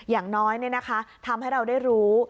อย่างน้อยทำให้เราได้รู้